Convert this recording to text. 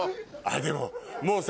でももうさ。